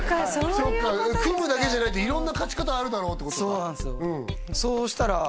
そっか組むだけじゃなくて色んな勝ち方あるだろうってことかそうなんすよ